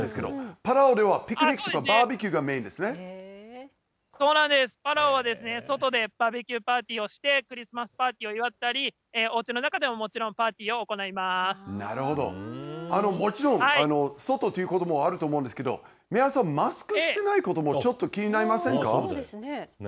パラオは外でバーベキューパーティーをして、クリスマスパーティーを祝ったり、おうちの中でももなるほど、もちろん、外ということもあると思うんですけども、皆さん、マスクしてないことも、そうですね。